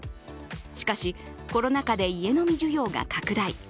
しかし、コロナ禍で家飲み需要が拡大。